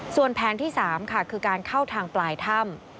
ส่วนแผนที่๓ค่ะคือการเข้าทางปลายถ้ำ